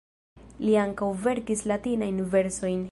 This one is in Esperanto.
Li ankaŭ verkis latinajn versojn.